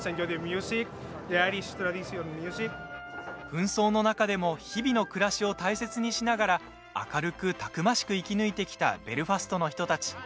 紛争の中でも日々の暮らしを大切にしながら明るくたくましく生き抜いてきたベルファストの人たち。